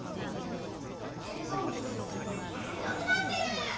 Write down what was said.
テレゾンビいなくなってる！